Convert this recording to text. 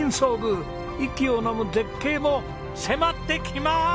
息をのむ絶景も迫ってきまーす！